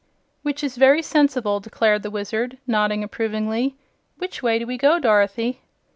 "Which is very sensible," declared the Wizard, nodding approvingly. "Which way do we go, Dorothy?"